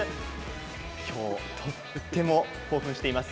今日、とても興奮しています。